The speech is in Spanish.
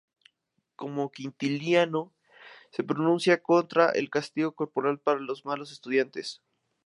Como Quintiliano, se pronuncia contra el castigo corporal para los malos estudiantes.